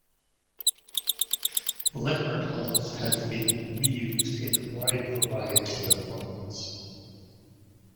Leopard hulls have been re-used in a wide variety of roles.